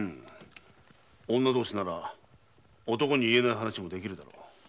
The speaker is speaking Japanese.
女同士なら男に言えない話もできるだろう。